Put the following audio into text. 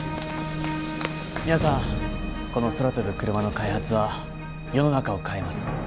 皆さんこの空飛ぶクルマの開発は世の中を変えます。